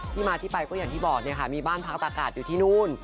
ที่มาที่ไปก็อย่างที่บอกเนี่ยค่ะมีบ้านพักอากาศอยู่ที่นู่น